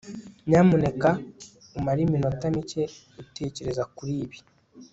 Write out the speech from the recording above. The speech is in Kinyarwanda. nyamuneka umare iminota mike utekereza kuri ibi